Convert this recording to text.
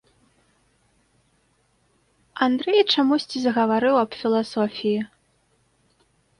Андрэй чамусьці загаварыў аб філасофіі.